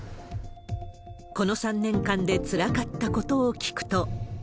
この３年間でつらかったことを聞くと。